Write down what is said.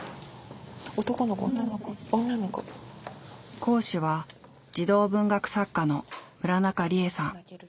講師は児童文学作家の村中李衣さん。